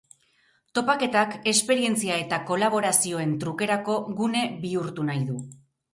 Topaketak esperientzia eta kolaborazioen trukerako gune bihurtu nahi du.